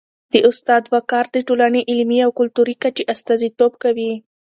د استاد وقار د ټولني د علمي او کلتوري کچي استازیتوب کوي.